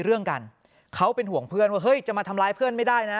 เรื่องกันเขาเป็นห่วงเพื่อนว่าเฮ้ยจะมาทำร้ายเพื่อนไม่ได้นะ